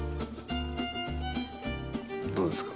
どうですか？